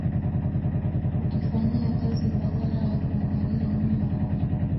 kukifanyia kazi badala ya kuangalia nyuma na